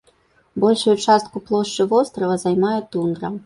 Большую частку плошчы вострава займае тундра.